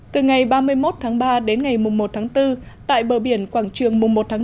từ ngày ba mươi một tháng ba đến ngày một tháng bốn tại bờ biển quảng trường mùng một tháng bốn